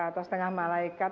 atau setengah malaikat